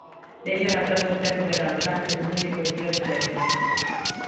Deixan atrás os tempos de cando Sánchez non lle collía o teléfono.